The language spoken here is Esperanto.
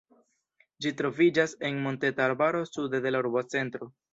Ĝi troviĝas en monteta arbaro sude de la urbocentro.